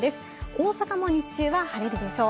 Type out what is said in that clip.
大阪も日中は晴れでしょう。